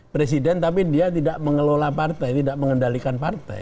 presiden tapi dia tidak mengelola partai tidak mengendalikan partai